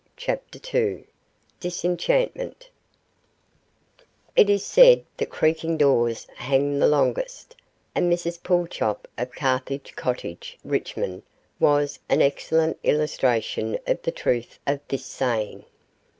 CHAPTER II DISENCHANTMENT It is said that 'creaking doors hang the longest,' and Mrs Pulchop, of Carthage Cottage, Richmond, was an excellent illustration of the truth of this saying.